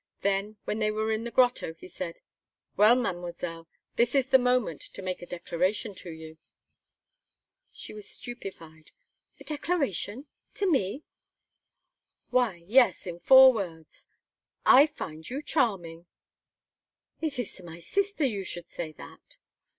Then, when they were in the grotto, he said: "Well, Mademoiselle, this is the moment to make a declaration to you." She was stupefied: "A declaration to me!" "Why, yes, in four words I find you charming!" "It is to my sister you should say that!"